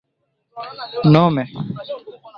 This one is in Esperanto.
nome